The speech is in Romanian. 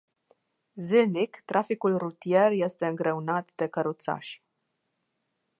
Zilnic, traficul rutier este îngreunat de căruțași.